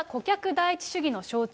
第一主義の象徴。